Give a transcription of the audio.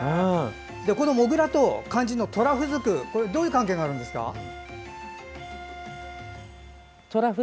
このモグラと肝心のトラフズクはどういう関係があるんですか？